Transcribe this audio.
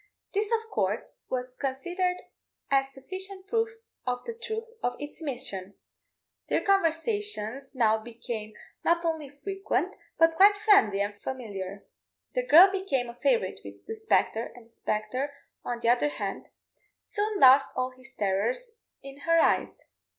This, of course, was considered as sufficient proof of the truth of its mission. Their conversations now became not only frequent, but quite friendly and familiar. The girl became a favourite with the spectre, and the spectre, on the other hand, soon lost all his terrors in her eyes.